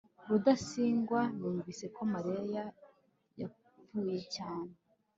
rudasingwa yumvise ko mariya yapfuye cyane